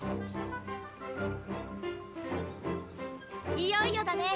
いよいよだね。